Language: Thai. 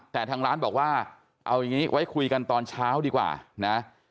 แต่ทางร้านบอกว่าเอาอย่างนี้ไว้คุยกันตอนเช้าดีกว่านะ